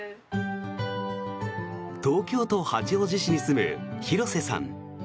東京都八王子市に住む広瀬さん。